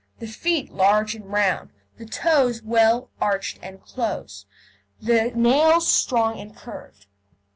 The feet large and round, the toes well arched and close, the nails strong and curved.